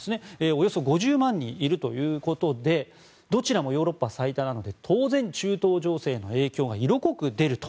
およそ５０万人いるということでどちらもヨーロッパ最多なので当然、中東情勢の影響が色濃く出ると。